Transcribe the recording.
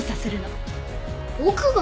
僕が？